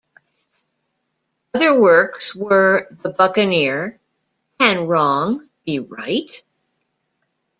Other works were "The Buccaneer", "Can Wrong Be Right?